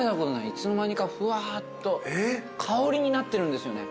いつの間にかふわっと香りになってるんですよね。